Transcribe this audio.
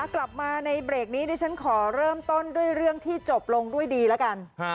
กลับมาในเบรกนี้ดิฉันขอเริ่มต้นด้วยเรื่องที่จบลงด้วยดีแล้วกัน